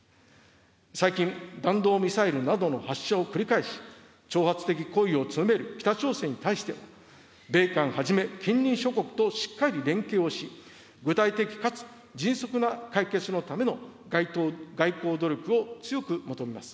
最近、弾道ミサイルなどの発射を繰り返し、挑発的行為を強める北朝鮮に対して、米韓はじめ近隣諸国としっかり連携をし、具体的かつ迅速な解決のための外交努力を強く求めます。